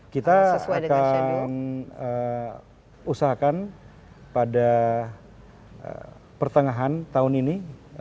kita akan usahakan pada pertengahan tahun ini